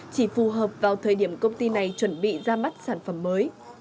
chỉ phù hợp vào thời điểm công ty này chuẩn bị ra mắt sản phẩm mới